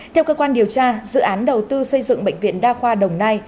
theo cơ quan điều tra dự án đầu tư xây dựng bệnh viện đa khoa đồng nai